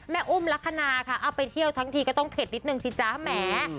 อุ้มลักษณะค่ะเอาไปเที่ยวทั้งทีก็ต้องเผ็ดนิดนึงสิจ๊ะแหม